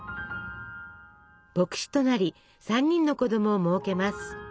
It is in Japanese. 牧師となり３人の子供をもうけます。